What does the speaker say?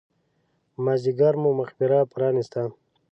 په مازیګر مو مقبره پرانېسته.